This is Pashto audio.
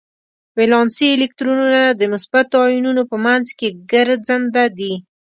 ولانسي الکترونونه د مثبتو ایونونو په منځ کې ګرځننده دي.